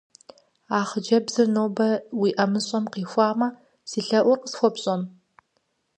А хъыджэбзыр нобэ уи ӀэмыщӀэ къихуэмэ, си лъэӀур къысхуэпщӀэн?